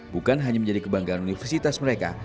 bukan hanya menjadi kebanggaan universitas mereka